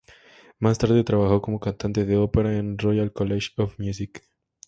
Más tarde trabajó como cantante de ópera en el Royal College of Music.